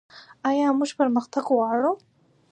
آیا موږ پرمختګ غواړو؟